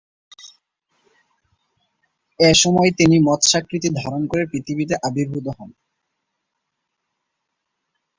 এ সময় তিনি মৎস্যাকৃতি ধারণ করে পৃথিবীতে আবির্ভূত হন।